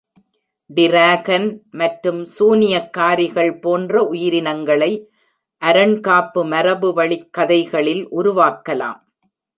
Dragon மற்றும் சூனியக்காரிகள் போன்ற உயிரினங்களை அரண்காப்பு மரபுவழிக் கதைகளில் உருவாக்கலாம்.